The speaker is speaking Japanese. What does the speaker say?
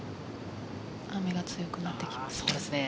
雨が強くなってきましたね。